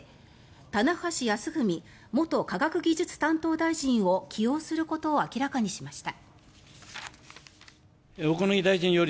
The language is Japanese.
棚橋泰文元科学技術担当大臣を起用することを明らかにしました。